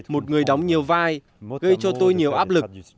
một người đóng nhiều vai gây cho tôi nhiều áp lực